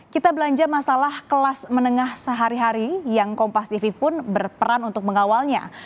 kita belanja masalah kelas menengah sehari hari yang kompas tv pun berperan untuk mengawalnya